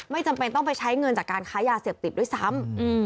จำเป็นต้องไปใช้เงินจากการค้ายาเสพติดด้วยซ้ำ